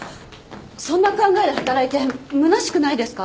そんな考えで働いてむなしくないですか？